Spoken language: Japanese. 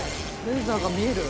レーザーが見える。